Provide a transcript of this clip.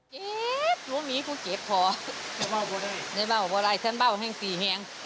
เจ๊บรวมนี้ก็เจ็บพอจะเบ้าพอได้จะเบ้าพออะไรฉันเบ้าแห้งสี่แห้ง